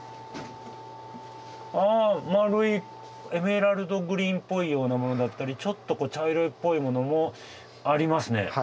あ丸いエメラルドグリーンっぽいようなものだったりちょっと茶色っぽいものもありますね。